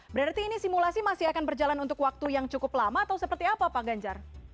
berarti ini simulasi masih akan berjalan untuk waktu yang cukup lama atau seperti apa pak ganjar